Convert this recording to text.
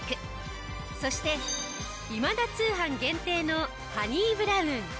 そして『今田通販』限定のハニーブラウン。